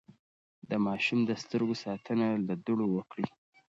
د ماشوم د سترګو ساتنه له دوړو وکړئ.